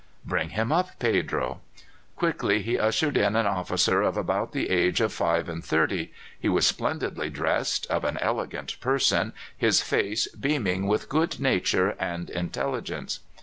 "Bring him up, Pedro." Quickly he ushered in an officer of about the age of five and thirty. He was splendidly dressed, of an elegant person, his face beaming with good nature and intelligence.